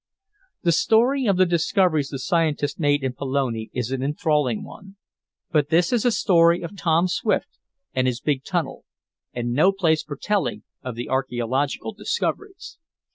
The story of the discoveries the scientist made in Pelone is an enthralling one. But this is a story of Tom Swift and his big tunnel, and no place for telling of the archeological discoveries.